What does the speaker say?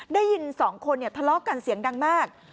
ได้ยินสองคนทะเลาะกันเสียงดังมาก